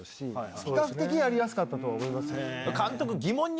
比較的やりやすかったとは思います。